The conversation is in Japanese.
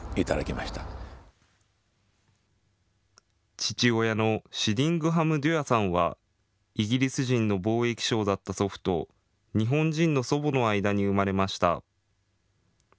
父親のシディングハム・デュアさんはイギリス人の貿易商だった祖父と日本人の祖母の間に生まれました。